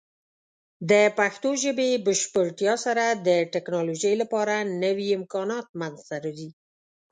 د پښتو ژبې بشپړتیا سره، د ټیکنالوجۍ لپاره نوې امکانات منځته راځي.